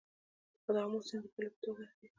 د امو سیند د پولې په توګه دی